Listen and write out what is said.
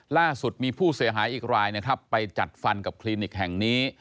ล่าสุดมีผู้เสียหายอีกรายนะครับไปจัดฟันกับคลินิกแห่งนี้